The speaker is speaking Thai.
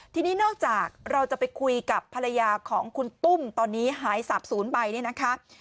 ทีนี้นอกจากเราจะไปคุยกับภรรยาของคุณตุ้มตอนนี้หายสาบศูนย์ไปเนี่ยนะคะ